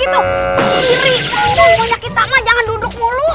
woh mau nyakit ama jangan duduk mulu